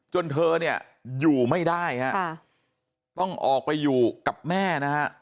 จนเธออยู่ไม่ได้ต้องออกไปอยู่กับแม่